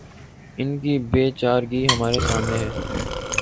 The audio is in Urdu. ان کی بے چارگی ہمارے سامنے ہے۔